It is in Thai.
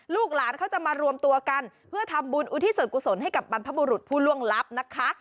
ลูกหลานเขาจะมารวมตัวกันเพื่อทำบุญอุทิศส่วนกุศลให้กับบรรพบุรุษผู้ล่วงลับนะคะ